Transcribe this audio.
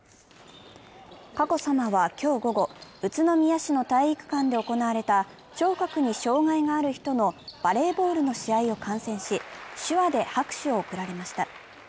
佳子さまは今日午後、宇都宮市の体育館で行われた聴覚に障害がある人のバレーボールの試合を観戦し、手話で拍手を送られました。